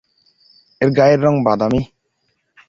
এর গায়ের রং বাদামী।